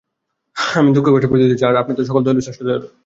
আমি দুঃখে-কষ্টে পতিত হয়েছি, আর আপনি তো সকল দয়ালুদের শ্রেষ্ঠ দয়ালু।